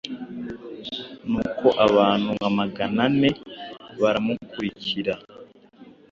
nuko abantu nka magana ane baramukurikira.